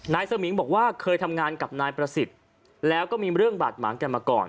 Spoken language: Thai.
สมิงบอกว่าเคยทำงานกับนายประสิทธิ์แล้วก็มีเรื่องบาดหมางกันมาก่อน